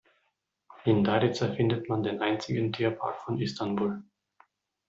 In Darıca findet man den einzigen Tierpark von Istanbul.